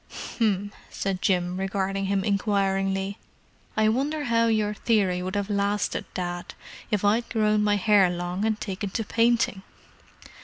"H'm!" said Jim, regarding him inquiringly. "I wonder how your theory would have lasted, Dad, if I'd grown my hair long and taken to painting?"